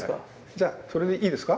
じゃそれでいいですか？